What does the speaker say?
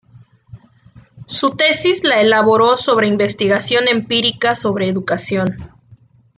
Su tesis la elaboró sobre investigación empírica sobre educación.